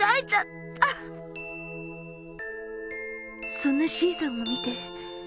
そんなＣさんを見て。